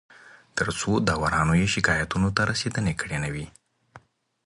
تر څو داورانو یې شکایتونو ته رسېدنه کړې نه وي